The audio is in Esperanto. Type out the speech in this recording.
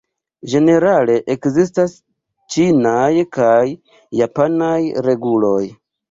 Ĝenerale ekzistas ĉinaj kaj japanaj reguloj.